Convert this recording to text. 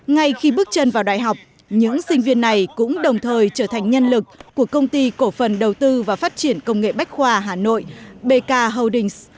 ngay khi bước chân vào đại học những sinh viên này cũng đồng thời trở thành nhân lực của công ty cổ phần đầu tư và phát triển công nghệ bách khoa hà nội bk holdings